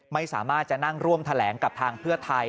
ไม่สามารถจะนั่งร่วมแถลงกับทางเพื่อไทย